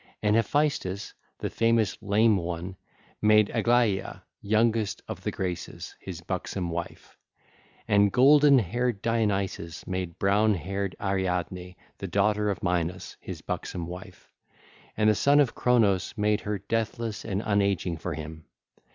(ll. 945 946) And Hephaestus, the famous Lame One, made Aglaea, youngest of the Graces, his buxom wife. (ll. 947 949) And golden haired Dionysus made brown haired Ariadne, the daughter of Minos, his buxom wife: and the son of Cronos made her deathless and unageing for him.